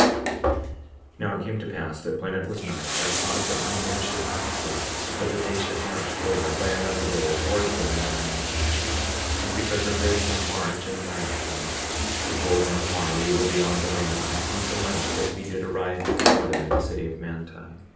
58:26 Now it came to pass that when it was night, I caused that my men should not sleep, but that they should march forward by another way towards the land of Manti. 58:27 And because of this our march in the night time, behold, on the morrow we were beyond the Lamanites, insomuch that we did arrive before them at the city of Manti.